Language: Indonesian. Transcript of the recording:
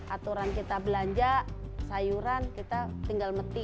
aturan kita belanja sayuran kita tinggal meti